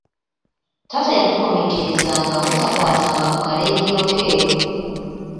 Taata yatukomekkerezanga obutakwatanga ku kalaadiyo ke.